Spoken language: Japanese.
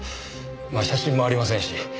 写真もありませんし。